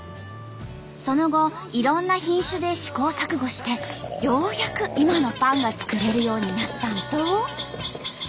その後いろんな品種で試行錯誤してようやく今のパンが作れるようになったんと！